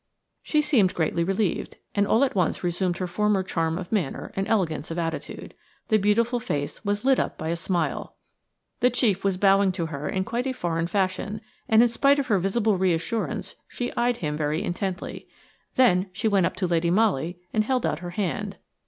She seemed greatly relieved, and all at once resumed her former charm of manner and elegance of attitude. The beautiful face was lit up by a smile. The chief was bowing to her in quite a foreign fashion, and in spite of her visible reassurance she eyed him very intently. Then she went up to Lady Molly and held out her hand.